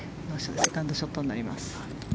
セカンドショットになります。